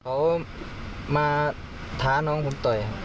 เขามาท้าน้องผมต่อย